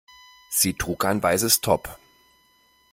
Sie trug ein weißes Top.